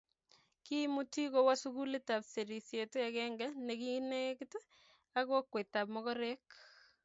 Kiimuti kowo sukulitap serisiet agenge nekinegit ak kokwetab mogorek